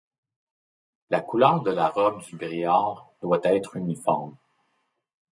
La couleur de la robe du Briard doit être uniforme.